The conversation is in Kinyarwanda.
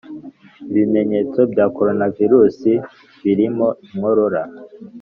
Ibimenyetso bya Coronavirus birimo inkorora,